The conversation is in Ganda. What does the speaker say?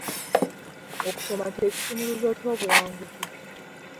Okusoma kye kisumuluzo ky'obuwanguzi.